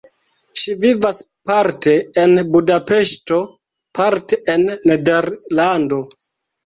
Ŝi vivas parte en Budapeŝto, parte en Nederlando.